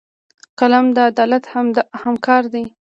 قلم د عدالت همکار دی